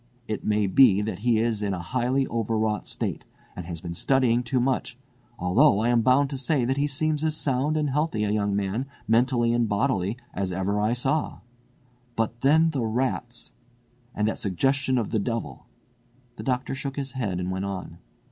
It may be that he is in a highly overwrought state, and has been studying too much, although I am bound to say that he seems as sound and healthy a young man, mentally and bodily, as ever I saw—but then the rats—and that suggestion of the devil." The doctor shook his head and went on.